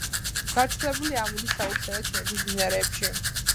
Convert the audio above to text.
გავრცელებულია ამურის აუზსა და ჩინეთის მდინარეებში.